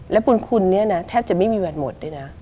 และบุญคุณแทบจะไม่มีวันหมด